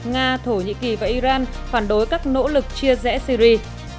nga thổ nhĩ kỳ và iran phản đối các nỗ lực chia rẽ syri